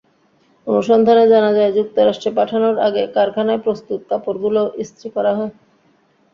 অনুসন্ধানে জানা যায়, যুক্তরাষ্ট্রে পাঠানোর আগে কারখানায় প্রস্তুত কাপড়গুলো ইস্ত্রি করা হয়।